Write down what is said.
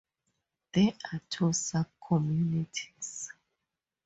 There are two subcommunities.